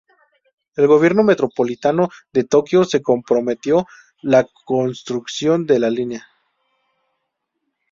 El Gobierno Metropolitano de Tokio se comprometió la construcción de la línea.